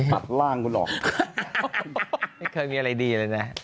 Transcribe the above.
ตัดร่างของคุณหรอก